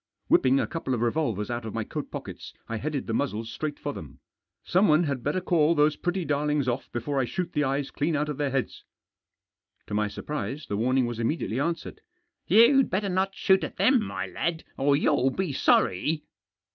Whipping up a couple of revolvers out of my coat pockets, I headed the muzzles straight for them. " Someone had better call those pretty darlings off before I shoot the eyes clean out of their heads !" To my surprise the warning was immediately answered. " You'd better not shoot at them, my lad, or you'll be sorry."